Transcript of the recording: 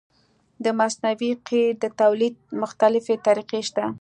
د مصنوعي قیر د تولید مختلفې طریقې شته